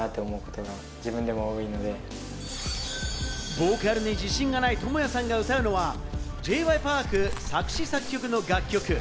ボーカルに自信がないトモヤさんが歌うのはＪ．Ｙ．Ｐａｒｋ作詞・作曲の楽曲。